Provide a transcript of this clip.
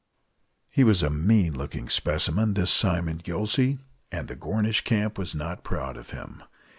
He was a mean looking specimen, this Simon Gillsey, and the Gornish Camp was not proud of him.